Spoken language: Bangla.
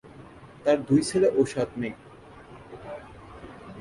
তার দুই ছেলে ও সাত মেয়ে।